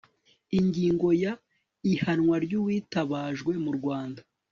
ingingo ya ihanwa ry uwitabajwe mu rwanda